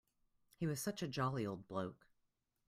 He was such a jolly old bloke.